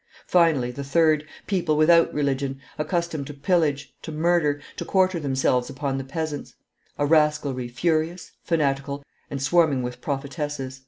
Finally, the third: people without religion, accustomed to pillage, to murder, to quarter themselves upon the peasants; a rascalry furious, fanatical, and swarming with prophetesses."